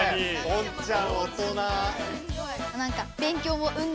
ポンちゃん大人。